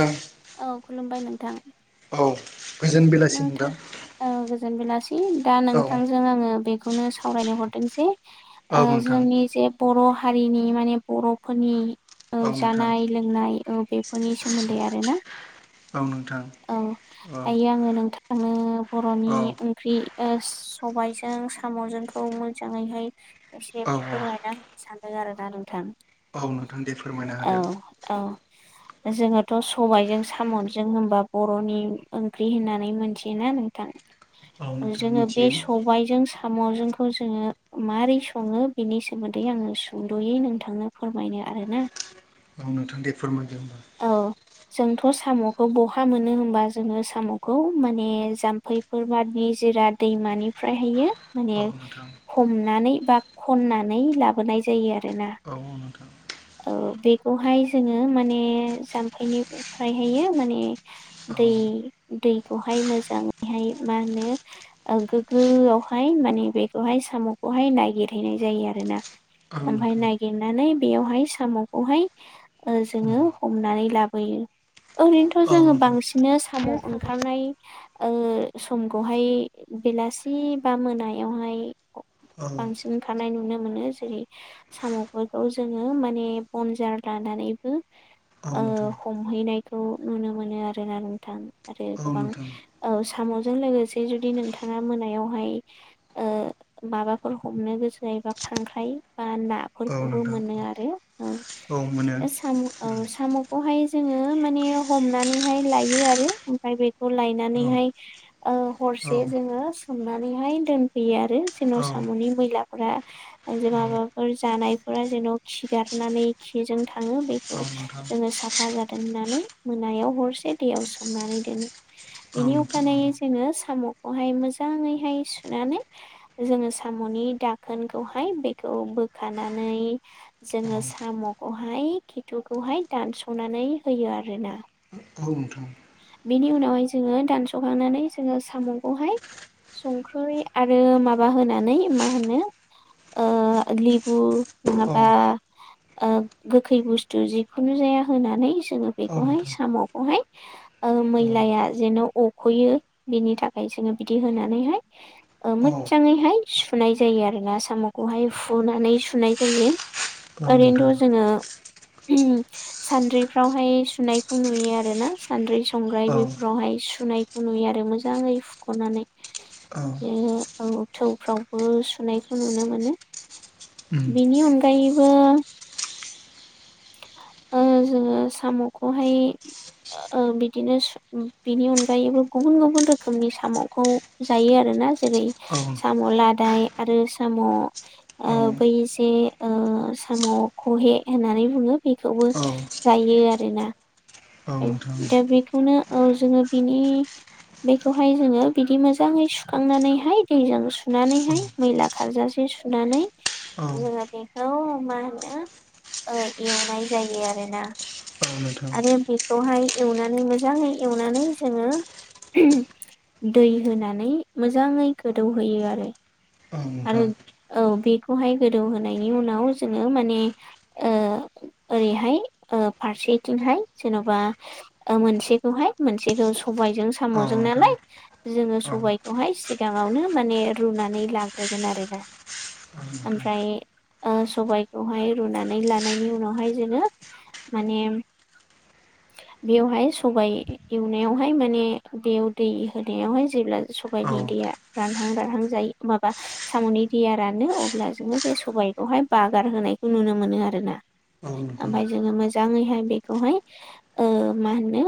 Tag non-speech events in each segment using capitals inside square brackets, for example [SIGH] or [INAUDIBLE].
ओं औ खुलुमबाय नोंथां । औ गोजोन बेलासि नोंथां औ गोजोन बेलासि । दा औ नोंथांजों आङो बेखौनो सावरायनो हरदों जे औ ओ नोंथां जोंनि जे बर' हारिनि माने बर'फोरनि ओ औ नोंथां जानाय लोंनाय ओ बेफोरनि सोमोन्दै आरोना । औ नोंथां अ । दायो आङो नोंथांनो बर'नि ओंख्रि ओ सबायाइजों साम'जोंखौ मोजाङैहाय एसे औ औ फोरमायना होनो सानो । आरोना नोंथां औ नोंथां दे फोरमायना औ होदो औ । जोङोथ' सबायाइजों साम'जों होनबा बर'नि ओंख्रि होनना नै मोनथियो ना औ नोंथां नोंथां जोङो बे मिथियो सबायजों साम'जोंखौ जोङो माबोरै सङो बेनि सोमोन्दै आंङो सुंद'यै नोंथांनो फोरमायनो आरो ना। औ नोंथां दे फोरमायदो। होमबा औ। जोंथ' साम'खौ बहा मोनो होमबा जोङो साम'खौ माने जाम्फैफोर बादि जिरा दैमानिफ्रायहयो। माने औ नोंथां हमनानै बा खननानै लाबोनाय जायो आरो। औ नोथां। औ बेखौहाय जोङो माने जाम्फैनिफ्रायहायो माने औ दै-दैखौहाय मोजाङैहाय मा होनो ओ गोग्गोआवहाय माने बेखौहाय साम'खौहाय ननायागिरहैनाय जायो आ आरोना ओमफ्राय नोंथां औ नोंथां नागिरनानै बेयावहाय साम'खौहाय ओ जोङो हमनानै लाबोयो। ओरैनोथ' औ जोङो नोंथां बांसिनो साम' ओंखारनाय ओ समखौहाय बेलासि बा मोनायावहाय। औ बांसिन ओंखारनाय नुनो मोनो जेरै- साम'फोरखौ जोङो माने बनजार लाना नायबो। ओ नोंथां हमहैनायखौ नुनो मोनो आरोना नोंथां आरो औ गोबां औ सा म'जों लोगोसे जुदि नोंथाङा मोनायावहाय ओ माबाफोर हमनो गोसो जायोबा खांख्राय बा नाफोरखौबो नोंथां मोनो आरो औ साम' औ सा साम'खौहाय जोङो माने हमनानैहाय लायो आरो ओमफ्राय बेखौ औ लायनानैहाय। ओ औ हरसे जोङो सोमनानैहाय दोनफैयो आरो जेन' औ साम'नि मैलाफोरा। ओ जे माबाफोर जानायफोरा जेन' खिगारनानै खिजों थाङो बेखौ नोंथां जोङो साफा जाथों होननानै मोनायाव हरसे दैयाव सोमनानै दोनो औ नोंथां औ बेनि अखायै यै जोङो साम'खौहाय मोजाङैहाय सुनानै जोङो साम'नि दाखोनखौ हाय बेखौ बोखानानै जोङो साम'खौहाय खिथुखौहाय दानस'नानै होयो आरोना। औ नोंथां बेनि उनावहाय जोङो दानस'खांनानै जोङो साम'खौहाय। संख्रै आरो माबा होनानै मा होनो ओ लेबु औ नङाबा ओ गोखै बुस्थु जिखुनु जा या होनानै जोंङो औ बेखौहाय नोंथां साम'खौहाय। ओ औ मैलाया जेन' अख'यो बिनि थाखाय जोङो बिदि होनानैहाय ओ औ मो जाङैहाय सुनाय जायो आरो ना साम'खौहाय फुनानै सुनाय जायो। नोंथां ओरैनोथ' जोङो सान्द्रिफ्रावहाय सुनायखौ नुयो आरो ना। सान्द्रि संग्राय औ बेफोरावहाय सुनायखौ नुयो आरो मोजाङै फुख'नानै। औ बे औ थौफ्रावबो सुनायखौ नुनो मोनो। उम बेनि अनगायैबो ओ जोङो साम'खौहाय ओ बिदिनो सु बिनि अनगायैबो गुबुन गुबुन रोखोमनि साम'खौ जायो आरो। ना जेरै- औ साम' लादाय आरो साम' औ ओ बै जे ओ ओ साम' खहे होननानै बुङो बेखौबो औ जायो आरोना औ नोंथां दा बेखौनो औ जोङो बिनि बेखौहाय जोङो बिदि मोजाङै सुखांनानैहाय दैजों औ सुनानैहाय मैला खारजासे सुनानै औ नोंथां औ जोङो बेखौ मा होनो ओ एवनाय जायो आरोना। नोंथां आरो बेखौहाय एवनानै मोजाङै एवनानै जोङो दै होनानै मोजाङै गोदौहोयो आरो। औ आरो नोंथां। औ बेखौहाय गोदौहोनायनि उनाव जोङो माने ओ ओरैहाय ओ फारसे बिथिंहाय जेन'बा ओ मोनसेखौहाय मोनसेखौ सबायजों औ साम'जों नोंथां नालाय जोङो औ सबायखौहाय सिगाङावनो माने रुनानै लाग्रोगोन आरोना। औ नोंथां। ओमफ्राय ओ सबायखौहाय रुनानै लानायनि उनावहाय जोङो माने [INAUDIBLE] बेयावहाय सबाय एवनायावहाय माने बेयाव दै होनायावहाय जेब्ला सबाइ औ नोंथां औ नि दैया रानहां रानहां जायो माबा साम'नि दैआ रानो अब्ला जोंङो बे सबाइखौहाय बागार होनायखौ नुनो मोनो आरोना औ ओमफ्राय जोङो मोजाङैहाय बे खौहाय ओ मा होनो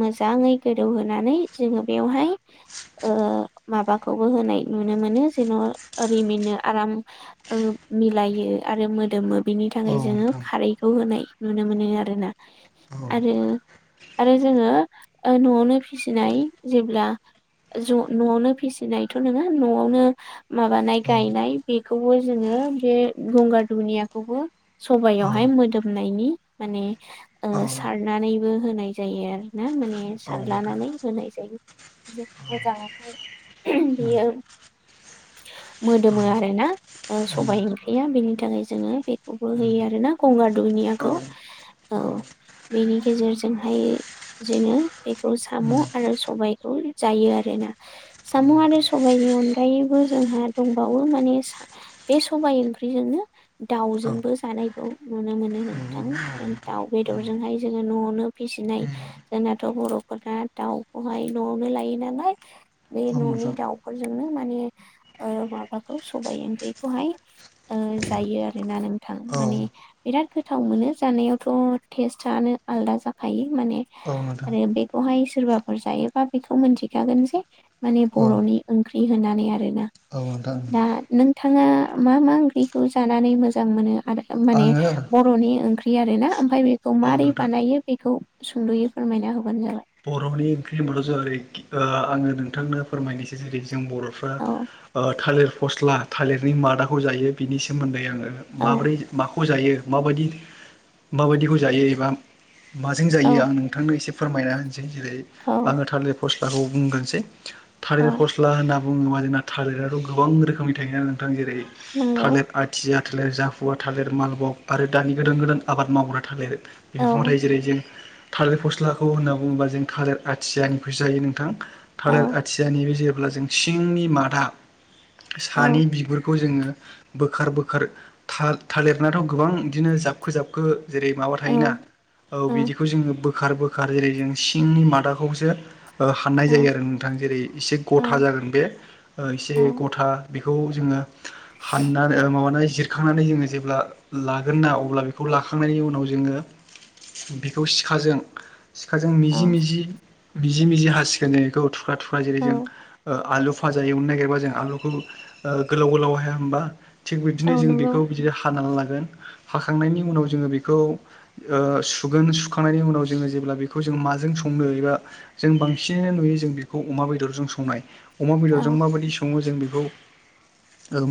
मोजाङै गोदौहोनानै जोङो बेवहाय ओ माबाखौबो होनाय नुनो मोनो जेन' रिमिनो आराम ओ मिलायो आरो मोदोमो बिनि थाखाय जोङो नोंथां खारैखौ होनाय नुनो मोनो आरो। आरोना औ आरो आरो जोङो ओ न'आवनो फिसिनाय जेब्ला ज' न'आवनो फिसिनायथ' नङा न'आवनो माबानाय उम औ उम गायनाय बेखौबो जोङो बे गंगार दुनियाखौबो औ उम औ सबायावहाय मोदोमनायनि माने ओ औ सारनानैबो होनाय जायो आरो ना माने नोंथां सारलानानै उम होनाय जायो। जों मोजांहाय उम बेयो। औ नोंथां मोदोमो औ आरो ना। सबाय ओंख्रिया बेनि थाखाय जोङो बेखौबो होयो आर ना गंगार दुनियाखौ। औ बेनि गेजेरजोंहाय जोङो बेखौ साम' आरो सबाय खौ जायो आरोना साम' आरो सबायनि अनगायैबो जोंहा दंबावो माने बे सबाय ओंख्रिजोंनो दाउजोंबो जानायखौ नुनो मोनो नोंथां । दाउ बेदरजोंहाय जोङो न'आवनो फिसिनाय जोंनाथ' बर'फोरा दाउखौहाय न'आवनो लायो नालाय बे न'नि दाउफोरजोंनो माने ओ माबाखौ सबाय ओंख्रिखौहाय जायो आरोना नोंथ नोंथां माने नोंथां बिराद गोथाव मोनो जानायावथ' टेस्टआनो आलदा जाखायो। माने आरो बेखौहाय सोरबाफोर जायोबा बेखौ मोनथिखागोन जे माने औ बर'नि ओंख्रि होनानै आरो ना औ नोंथां। नोंथाङा मा मा ओंख्रिखौ जानानै मोजां मोनो आरो माने आङो बर'नि ओंख्रि आरो ना। ओमफ्राय बेखौ औ माबोरै नोंथां बानायो बेखौ सुंद'यै फोरमायना होबानो जाबाय। बर'नि ओंख्रि होनबाथ' जों ओरै आङो नोंथांनो फोरमायनोसै जेरै जों बर'फ्रा औ ओ थालिर फस्ला थालिरनि मादाखौ जायो बिनि सोमोन्दै आङो औ माब्रै माखौ जायो माबायदि माबायदिखौ जायो एबा माजों जायो औ आं नोंथांनो एसे फोरमायना होनसै जेरै औ आङो थालिर फस्लाखौ बुंगोरसै थालिर औ फस्ला होनना बुङोबा जोंना थालिराथ' गोबां रोखोमनि थायोना नोंथां जेरै नंगौ थालिर आथिया थालिर जाफुवा थालिर मालबग आरो दानि गोदान गोदान आबाद मावग्रा थालिर। औ बिफां थायो जेरै जों थालिर फस्लाखौ होनना बुंङोबा जों थालिर आथियानिखौसो जायो नोंथां औ थालिर आथियानि बे जेब्ला जों सिंनि मादा औ सानि बिगुरखौ जोङो बोखार बोखार था थालिरनाथ' गोबां बिदिनो जाबखो जाबखो जेरै माबा औ थायोना औ बिदिखौ जोङो बोखार बोखार जेरै जों सिंनि मादाखौसो ओ हाननाय जायो आरो नोंथां जेरै एसे औ गथा जागोन बे ओ एसे औ गथा बे बेखौ जोङो। हाननानै माबानानै जिरखांनानै जोङो जेब्ला लागोन ना अब्ला बेखौ लाखांनायनि उनाव जोङो। बेखौ सिखाजों सि सिखाजों मिजि औ मिजि मिजि मिजि हासिगोन जों बेखौ थुख्रा थुख्रा जेरै जों औ ओ आलु भाजा एवनो नागिरबा जों आलुखौ गोलाव गोलाव हाया होमबा थिग औ बिदिनो जों नंगौ बेखौ बिदि हानानै लागोन। हाखांनायनि उनाव जों बेखौ ओ सुगोन सुखांनायनि उनाव जों जेब्ला बेखौ बेखौ जों माजों संनो एबा जों बांसिनानो नुयो जों बेखौ अमा बेदरजों संनाय। अमा बेदरजों औ माबायदि सङो जों बेखौ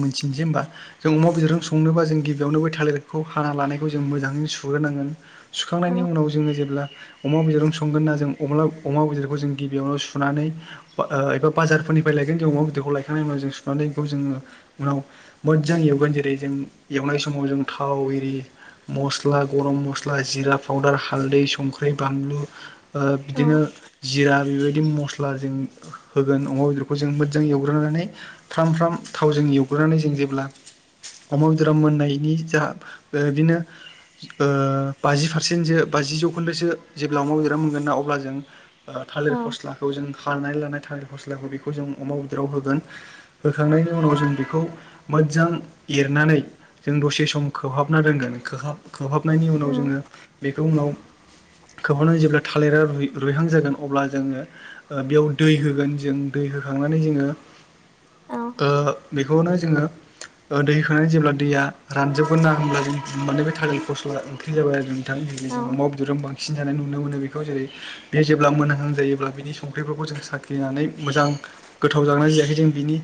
मिथिनोसै होनबा जों अमा बेदरजों संनोबा जों गिबियावनो बै थालिरखौ हा लानायखौ जों मोजाङै सुग्रोनांगोन सुखांनायनि औ उनाव जोङो जेब्ला अमा बेदरनो संगोन ना जों अमा बेदरखौ जों गिबियावनो सुनानै एबा बाजारफोरनिफ्राय लायगोन अमा बेदरखौ लायखांनायनि उनाव सुनानै बेखौ जों उनाव मोजां एवगोन जेरै जों एवनाय समाव जों थाव एरि मस्ला गरम मस्ला जिरा पाउदार हाल्दै संख्रि संख्रि बानलु बिदिनो औ जिरा बेबायदि मस्ला अब्ला जों होगोन अमा बेदरखौ जों मोज्जां एवग्रोनानै फ्राम फ्राम थावजों एवग्रोनानै जों जेब्ला अमा बेदरा मोननायनि जा दो दिनो ओ बाजि पारसेन्टसो बाजि जौखोन्दोसो जेब्ला अमा बेदरा मोनगोन ना अब्ला जों ओ थालिर औ फस्लाखौ जों खारनानै लानाय थालिर फस्लाखौ बेखौ जो जों अमा बेदराव होगोन होखांनायनि उनाव जों बेखौ मोज्जां एरनानै जों दसे सम खोबहाबना दोनगोन खोहाब खोबहाबनायनि उनाव उम जोङो बेखौ उनाव खोबहानानै जेब्ला थालिरा रुइ रुइहां जागोन अब्ला जोङो ओ बेयाव दै होगोन जों दै होखां खांनानै जोङो औ ओ बेखौनो जोङो ओ दैखोनो जेब्ला दैया रानजोबगोना होमब्ला जों [UNINTELLIGIBLE] थालिर फस्ला ओंख्रि जाबाय आरो जों थां बिदि जों औ अमा बेदरजों बां नुनो मोनो बेखौ जेरै बे जेब्ला मोनहां जायोब्ला बिनि संख्रिफोरखौ जों साखिनानै मोजां गोथाव जांगोना जायाखै जों बिनि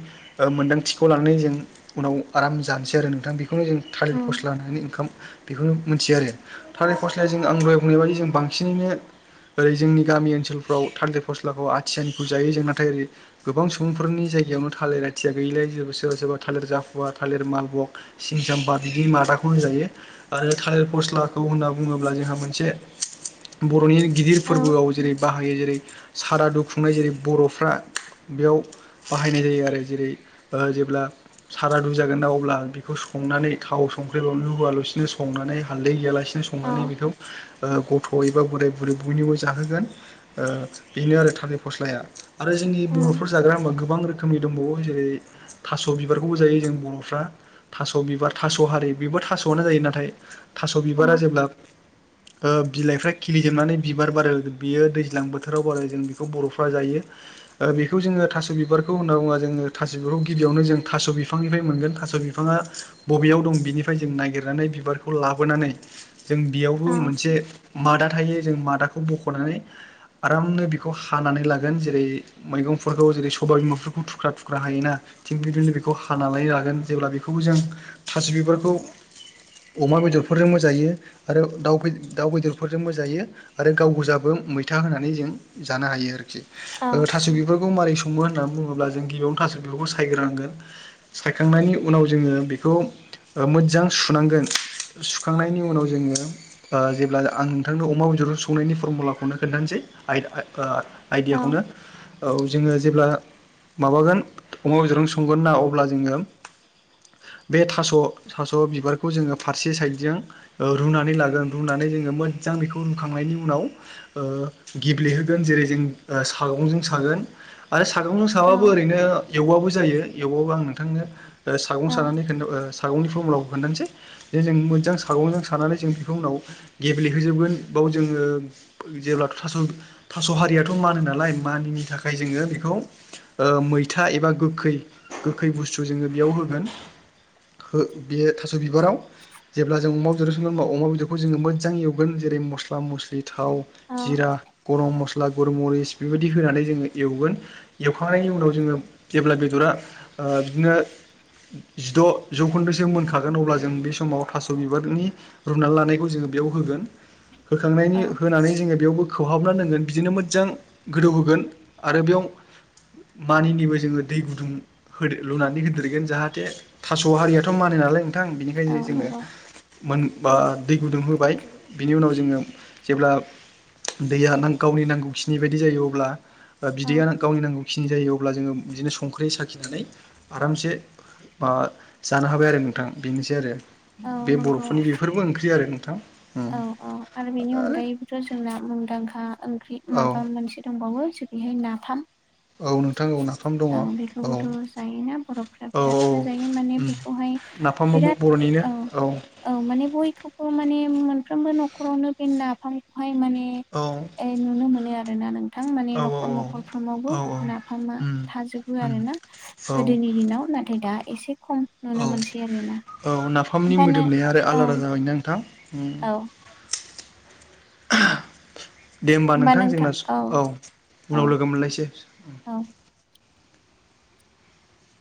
ओ मोन्दांथिखौ लानानै जों उनाव आराम जानोसै आरो नोंथां बे बेखौनो जों थालिर उम फस्ला होननानै ओंखाम बेखौनो मोनथियो आरो थालिर फस्ला्लाया जोंना आं दहय बुंनाय बायदि जों बांसिनैनो ओरै जोंनि गामि ओनसोलफ्राव थालदिर फस्लाखौ आथियानिखौ जायो जों नाथाय ओरै गोबां सुबुंफोरनि जायगायावनो थालिर आथिया गैलायि जेबो सोरबा सोरबा थालिर जाफुवा थालिर मालबक सिनिसाम्पा बिदिनि मादा खौ जायो आरो थालिर फस्लाखौ होनना बुङोब्ला जोंहा मोनसे [INAUDIBLE] बर'नि गिदिर औ फोरबोआव जेरै बाहायो जेरै सारादु खुंनाय जेरै बर'फ्रा बेयाव बाहायनाय जायो आरो जेरै ओ जेब्ला सारादु जागोन ना अब्ला बेखौ संनानै थाव संख्रि बावलुआलुसिनो संनानै हाल्दै गैयालासिनो संनानै औ बेखौ ओ गथ' एबा बोराय बुरै बयनिबो जाहोगोन ओ बेनो आरो थालिर फस्लाया ।आरो जोंनि उम बर'फोर जाग्रा होमबा गोबां रोखोमनि दंबावो जेरै थास' बिबारखौबो जायो जों बर'फ्रा थास' बिबार थास' हारि बेबो थास'आनो जायो नाथाय थास' औ बिबारा औ जेब्ला ओ बिलाइफ्रा खिलिजोबनानै बिबार बारो बियो दैज्लां बोथोराव बारो जों बेखौ बर'फ्रा जायो। ओ बेखौ जोङो थास' बिबारखौ होनना बुङा जोङो थास' बिबारखौ गिबियावनो जों थास' बिफांनिफ्राय मोनगोन थास' बिफाङा बबेयाव दं बिनिफाय जों नायगिरनानै बिबारखौ लाबोनानै जों बि बु मोनसे मादा थायो जों मादाखौ बख'नानै आरामनो बेखौ हानानै लागोन जेरै मैंफोरखौ जेरै सबाय बिमाफोरखौ थुख्रा थुख्रा हायोना थिग बिदिनो बेखौ हानानै लागोन जेब्ला बेखौबो जों थासि बिबारखौ अमा बेदरफोरजोंबो जायो। आरो दाउ फै दाउ बेदरफोरजोंबो जायो आरो गाव गोजाबो मैथा होनानै जों जानो हायो आरोखि। औ ओ थास' बिफोरखौ मारै स मो होननानै बुङोब्ला जों गिबियावनो थासारि बेफोरखौ सायग्रोनांगोन सायखांनायनि उनाव जोङो बेखौ ओ मोज्जां सुनांगोन सुखांनायनि उनाव जोङो ओ जेब्ला आं नोंथांनो अमा बेदरखो संनायनि फरमुलाखौनो खोन्थानोासै आइदा आ ओ आइदियाखौनो औ। जोङो जेब्ला माबागोन अमा बेदरावनो संगोन ना अब्ला जोङो बे थास' थास' बिबारखौ जोङो फारसे साइडजों ओ रुनानै लागोन रुनानै जोङो मोज्जां बेखौ रुखांनायनि उनाव ओ गेब्लेहोगोन जेरै जों ओ सा दावगंजों सागोन आरो सागंजों साबाबो ओरैनो एवबाबो जायो एवबाबो आं नोंथांनो ओ औ सागं सानानै खोनथो ओ सागंनि फरमुलाखौ खोन्थानोसै दे जों मोज्जां सागंजों सानानै जों बेखौ उनाव गेब्लेहोजोबगोन बाव जोङो जेब्ला थास' थास' हारियाथ' मानो नालाय मानिनि थाखाय जोङो बेखौ ओ मैथा एबा गोखै गोखै बुस्थु जोङो बेयाव हो गोन हो दे थास' दो बिबाराव जेब्ला जों अमा बेदरजो संगोन अमाव अमा बेदरखौ जोङो मोजां एवगोन जेरै मस्ला मस्लि- थाव जिरा गरम मस ला गरमरिस बेबायदि होनानै जोङो एवगोन एवखांनायनि उनाव जोङो जेब्ला बेदरा ओ बिदिनो जिद' जौखोन्दोसो मोनखागोन अब्ला जों बे समाव थास' बिबारनि रुनानै लानाय जोङो बेयाव होगोन औ होखांनायनि होनानै जोङो बेयावबो खोहाबना दांगोन बिदिनो मोजां गोदौ होगोन आरो बेयाव मानिनिबो जोङो दै गुदुं लुनानै होदेरगोन जाहाथे थास' हारियाथ' मानो नालाय नोंथां औ बिनिखायनो जोङो नंगौ मोन बा दै गुदुं होबाय बिनि उनाव जोङो जेब्ला दैया गावनि नांगौखिनि बायदि जायो अब्ला औ बिदैया गावनि नांगौ खिनि जायो अब्ला जोङो बिदिनो संख्रिै साखिनानै आरामसे माबा जानो हाबाय आरो नोंथां बेनोसै आरो औ बे नंगौ बर'फोरनि बेफोरबो ओंख्रि आरो नोंथां उम औ औ आरो बेनि अनगायैबो जोंना मुंदांखा ओंख्रि औ माबा मोनसे दंबावो जेरैहाय नाफाम औ नोंथां औ नाफाम दङ आ औ औ बेखौबोथ' जायोना बर'फ्रा बिरादनो जायो माने बेखौहाय नाफाम बाबो बर'निनो औ औ माने बयखौबो माने मोनफ्रोमबो नख खरावनो बे नाफामखौहाय माने औ नुनो मोनो आरोना नों थां माने औ न'खर न'खरफ्रोमावबो औ नाफामा थाजोबो आरो ना औ गोदोनि दिनाव नाथाय दा एसे खम नुनो मोनसै केरला फामनि मोदोमनाया आरो आलादा जाबायनो नोंथां। औ दे होमबा नोंथां जोंना औ औ उनाव लोगो मोनलायसै औ